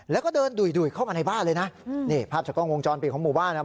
แล้วก็เดินดุ่ยเข้ามาในบ้านเลยนะนี่ภาพจากกล้องวงจรปิดของหมู่บ้านนะครับ